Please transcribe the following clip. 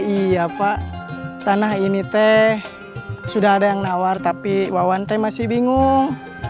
iya pak tanah ini teh sudah ada yang nawar tapi wawan teh masih bingung